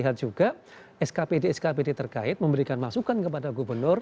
kita lihat juga skpd skpd terkait memberikan masukan kepada gubernur